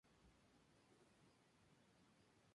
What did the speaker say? Está restringida a la isla Lord Howe.